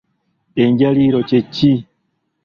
Enjaliiro kye ki?